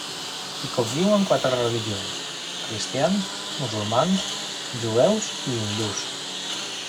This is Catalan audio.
Hi conviuen quatre religions: cristians, musulmans, jueus i hindús.